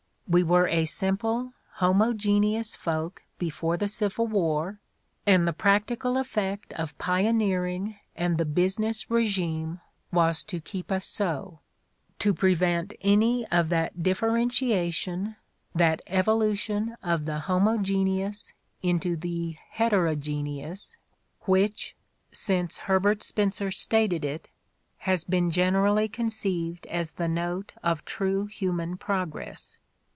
We were a simple, homogeneous folk before the Civil War and the practical effect of pioneering and the business regime was to keep us so, to prevent any of that differentiation, that evolution of the homogeneous into the heterogeneous which, since Herbert Spencer stated it, has been generally conceived as the note of true human progress.